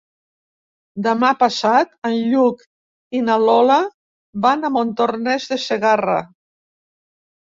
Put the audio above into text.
Demà passat en Lluc i na Lola van a Montornès de Segarra.